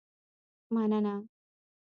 مننه